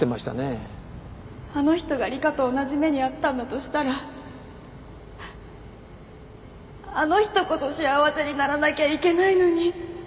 あの人が理香と同じ目に遭ったんだとしたらあの人こそ幸せにならなきゃいけないのに。